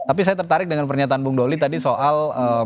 tapi saya tertarik dengan pernyataan bung doli tadi soal